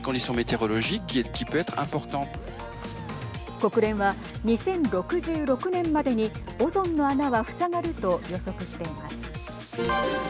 国連は２０６６年までにオゾンの穴は塞がると予測しています。